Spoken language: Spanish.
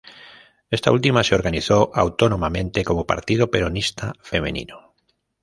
Esta última se organizó autónomamente como Partido Peronista Femenino.